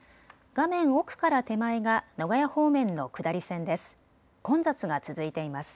画面奥から手前が名古屋方面の下り線です。